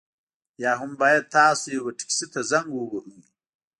یا هم باید تاسو یوه ټکسي ته زنګ ووهئ